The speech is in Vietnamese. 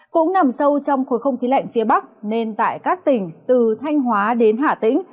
cũng nằm sâu trong khối không khí lạnh phía bắc nên tại các tỉnh từ thanh hóa đến hà tĩnh